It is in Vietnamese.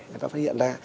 người ta phát hiện ra